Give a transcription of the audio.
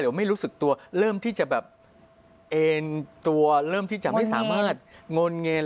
เดี๋ยวไม่รู้สึกตัวเริ่มที่จะแบบเอ็นตัวเริ่มที่จะไม่สามารถงนเงน